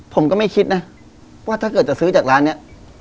ผมก็ไม่คิดนะว่าถ้าเกิดจะซื้อจากร้านนี้